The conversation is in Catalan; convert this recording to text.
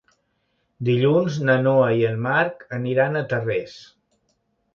Dilluns na Noa i en Marc aniran a Tarrés.